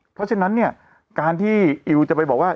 เพราะฉะนั้นเนี่ยการที่อิวจะไปบอกว่า